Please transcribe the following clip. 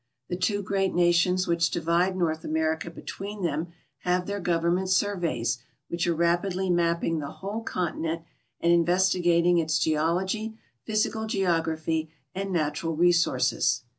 The two great Nations which divide North America between them have their Government surveys, which are rapidly mapping the whole continent and investigating its geology, phys ical geography, and natural resources.